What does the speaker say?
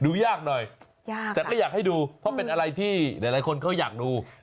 ยากหน่อยยากแต่ก็อยากให้ดูเพราะเป็นอะไรที่หลายคนเขาอยากดู